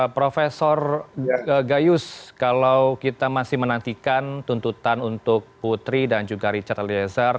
prof gayus kalau kita masih menantikan tuntutan untuk putri dan juga richard eliezer